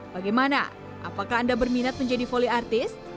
bagaimana apakah anda berminat menjadi polyartis